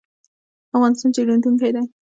افغانستان جوړیدونکی دی